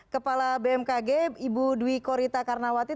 kepala bmkg ibu dwi korita karnawati